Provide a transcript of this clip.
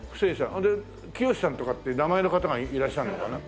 清さんとかっていう名前の方がいらっしゃるのかな？